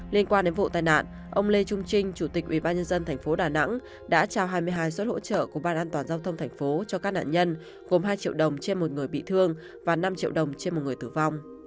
liên quan đến vụ tai nạn ông lê trung trinh chủ tịch ubnd tp đà nẵng đã trao hai mươi hai suất hỗ trợ của ban an toàn giao thông thành phố cho các nạn nhân gồm hai triệu đồng trên một người bị thương và năm triệu đồng trên một người tử vong